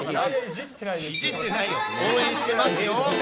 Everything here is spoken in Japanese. いじってないよ、応援してますよ。